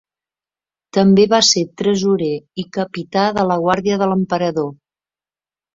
També va ser Tresorer i capità de la Guàrdia de l'Emperador.